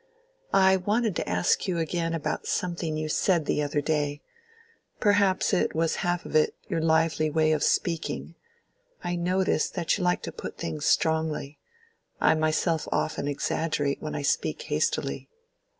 "I wanted to ask you again about something you said the other day. Perhaps it was half of it your lively way of speaking: I notice that you like to put things strongly; I myself often exaggerate when I speak hastily."